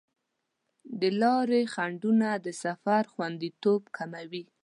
د لارې خنډونه د سفر خوندیتوب کموي.